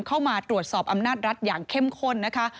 เข้ามาตรวจสอบอำนาจรัฐอย่างเข้มข้นนะคะ